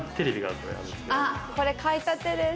これ買いたてです。